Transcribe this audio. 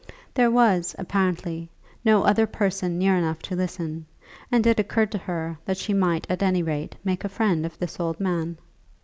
There was apparently no other person near enough to listen, and it occurred to her that she might at any rate make a friend of this old man.